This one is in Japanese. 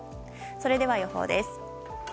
それでは予報です。